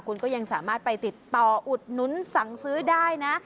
คุณก็ยังสามารถไปติดต่ออุดหนุนสั่งซื้อได้นะ